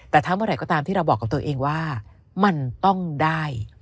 แต่ถ้าเมื่อไหร่ก็ตามที่เราบอกกับตัวเองว่ามันต้องได้